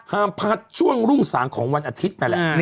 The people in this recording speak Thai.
พัดช่วงรุ่งสางของวันอาทิตย์นั่นแหละ